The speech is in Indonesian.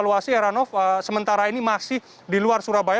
evaluasi heranov sementara ini masih di luar surabaya